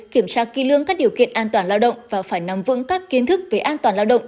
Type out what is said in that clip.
kiểm tra ký lương các điều kiện an toàn lao động và phải nắm vững các kiến thức về an toàn lao động